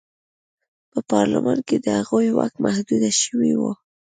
په پارلمان کې د هغوی واک محدود شوی و.